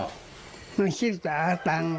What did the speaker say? สมาชิกตาตังค์